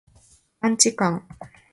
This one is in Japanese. マンチカン